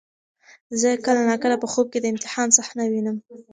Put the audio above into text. زه کله ناکله په خوب کې د امتحان صحنه وینم.